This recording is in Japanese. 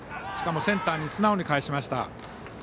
しかもセンターに素直に返しました。